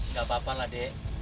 nggak apa apa lah dek